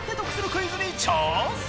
クイズに挑戦！